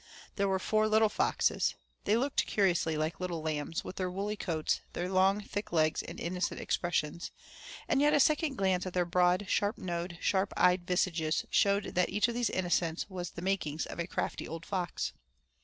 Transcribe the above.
There were four little foxes; they looked curiously like little lambs, with their woolly coats, their long thick legs and innocent expressions, and yet a second glance at their broad, sharp nosed, sharp eyed visages showed that each of these innocents was the makings of a crafty old fox.